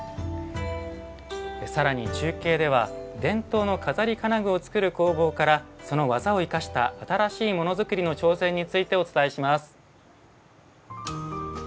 更に中継では伝統の錺金具を作る工房からその技を生かした新しいものづくりの挑戦についてお伝えします。